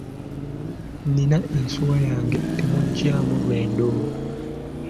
Nina ensuwa yange temugyamu lwendo.